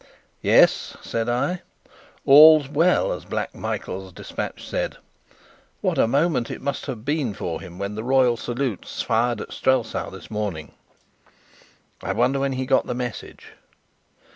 "Yes," said I, "'all's well!' as Black Michael's despatch said. What a moment it must have been for him when the royal salutes fired at Strelsau this morning! I wonder when he got the message?"